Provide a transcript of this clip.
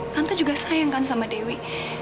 tante juga sayangkan sama dewi